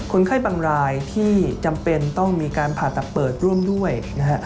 คนไข้บางรายที่จำเป็นต้องมีการผ่าตัดเปิดร่วมด้วยนะฮะ